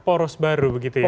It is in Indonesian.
poros baru begitu ya